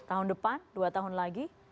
tahun depan dua tahun lagi